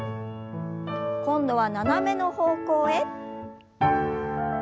今度は斜めの方向へ。